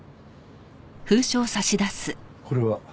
これは？